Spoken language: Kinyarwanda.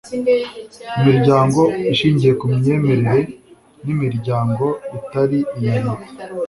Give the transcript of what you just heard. imiryango ishingiye ku myemerere n'imiryango itari iya leta